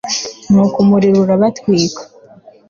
nuko umuriro urabatwika